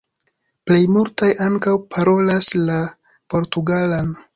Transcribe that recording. Plej multaj ankaŭ parolas la portugalan.